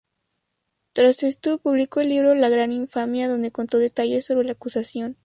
Tras esto publicó el libro "La gran infamia", donde contó detalles sobre la acusación.